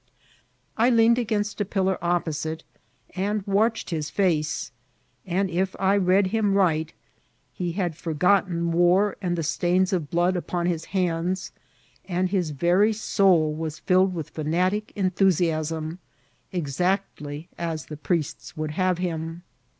I leaned against a pil lar opposite and watched his face ; and if I read him right, he had forgotten war and the stains of blood upop his hands, and lus very soul was filled with fanatic en thusiasm; exactly as the priests would have him.